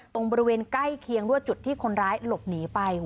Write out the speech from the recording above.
ตรงบริเวณใกล้เคียงรั่วจุดที่คนร้ายหลบหนีไป